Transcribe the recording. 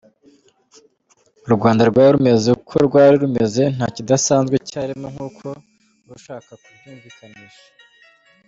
U Rwanda rwari rumeze uko rwari rumeze nta kidasanzwe cyarimo nk’uko ushaka kubyumvikanisha.